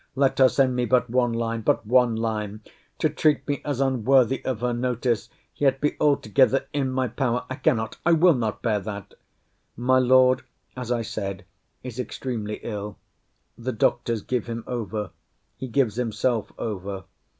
—Let her send me but one line!—But one line!—To treat me as unworthy of her notice;—yet be altogether in my power—I cannot—I will not bear that. My Lord, as I said, is extremely ill. The doctors give him over. He gives himself over.